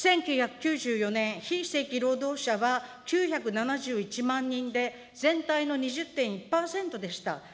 １９９４年、非正規労働者は９７１万人で全体の２０．１％でした。